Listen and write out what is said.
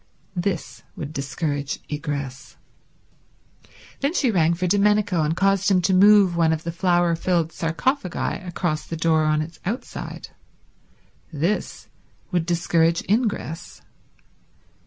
This would discourage egress. Then she rang for Domenico, and caused him to move one of the flower filled sarcophagi across the door on its outside. This would discourage ingress.